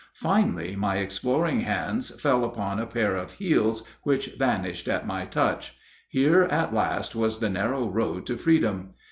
Finally, my exploring hands fell upon a pair of heels which vanished at my touch. Here at last was the narrow road to freedom!